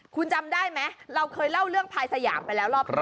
คุณจำได้ไหมเราเคยเล่าเรื่องพายสยามไปแล้วรอบแรก